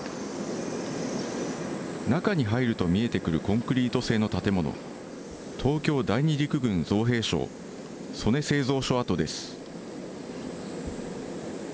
中に入ると見えてくるコンクリート製の建物、東京第二陸軍造兵廠曽根製造所跡です。